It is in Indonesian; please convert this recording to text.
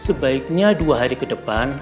sebaiknya dua hari ke depan